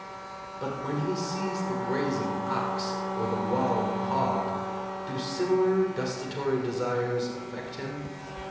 But when he sees the grazing ox, or the wallowing hog, do similar gustatory desires affect him?